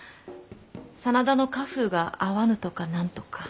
真田の家風が合わぬとか何とか。